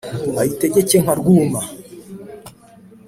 ayitegeke nka rwuma,